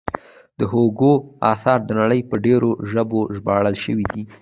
د هوګو اثار د نړۍ په ډېرو ژبو ژباړل شوي دي.